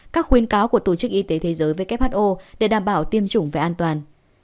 các khuyên cáo của tổ chức y tế thế giới who để đảm bảo tiêm chủng về an toàn